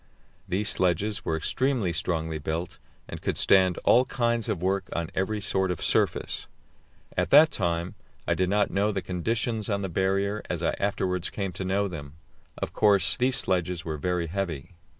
These sledges were extremely strongly built, and could stand all kinds of work on every sort of surface. At that time I did not know the conditions on the Barrier as I afterwards came to know them. Of course, these sledges were very heavy.